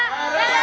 yaudah deh reba